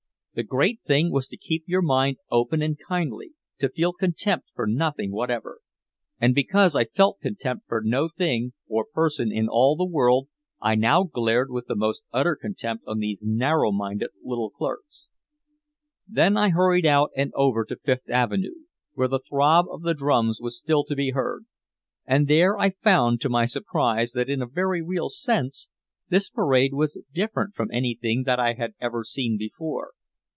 The great thing was to keep your mind open and kindly, to feel contempt for nothing whatever. And because I felt contempt for no thing or person in all the world, I now glared with the most utter contempt on these narrow minded little clerks. Then I hurried out and over to Fifth Avenue, where the throb of the drums was still to be heard. And there I found to my surprise that in a very real sense this parade was different from anything that I had ever seen before.